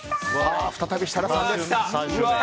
再び設楽さんです。